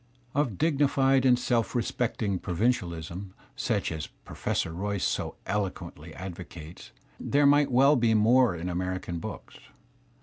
Of dignified and self respecting provincialism, such as Pro fessor Royce so eloquently advocates, there might well be more in American books.